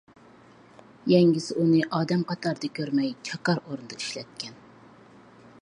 يەڭگىسى ئۇنى ئادەم قاتارىدا كۆرمەي چاكار ئورنىدا ئىشلەتكەن.